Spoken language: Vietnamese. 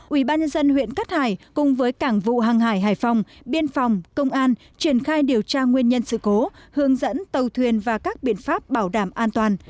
ubnd huyện cát hải cùng với cảng vụ hàng hải hải phòng biên phòng công an triển khai điều tra nguyên nhân sự cố hướng dẫn tàu thuyền và các biện pháp bảo đảm an toàn